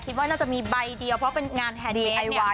คิดว่าน่าจะมีใบเดียวเพราะเป็นงานแฮนดเบสเนี่ย